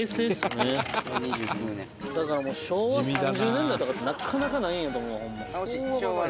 「だからもう昭和３０年代とかなかなかないんやと思うわホンマ」